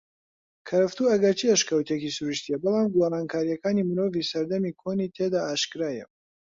کەرەفتوو ئەگەرچی ئەشکەوتێکی سرووشتیە بەلام گۆڕانکاریەکانی مرۆڤی سەردەمی کۆنی تێدا ئاشکرایە